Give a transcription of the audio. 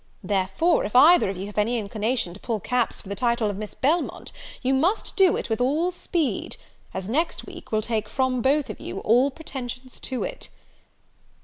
Therefore, if either of you have any inclination to pull caps for the title of Miss Belmont, you must do it with all speed, as next week will take from both of you all pretensions to it."